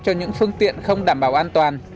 cho những phương tiện không đảm bảo an toàn